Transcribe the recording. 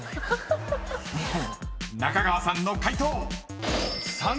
［中川さんの解答］